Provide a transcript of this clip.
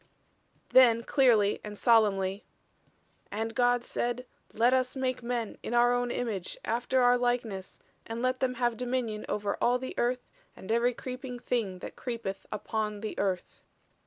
Then clearly and solemnly: "And God said: let us make men in our image, after our likeness, and let them have dominion over all the earth, and every creeping thing that creepeth upon the earth."